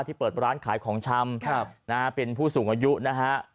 เปิดร้านขายของชำเป็นผู้สูงอายุนะฮะ